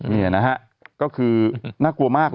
นี่นะฮะก็คือน่ากลัวมากเลย